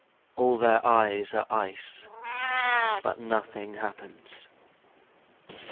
All their eyes are ice, But nothing happens.